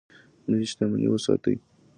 ملي شتمني وساتئ